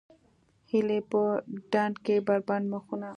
هیلۍ په ډنډ کې بربنډ مخونه